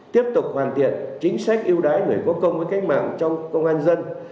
tiếp tục hoàn thiện chính sách yêu đái người có công với cách mạng trong công an dân